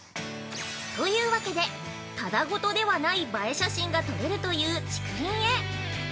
◆というわけでただごとではない映え写真が撮れるという竹林へ。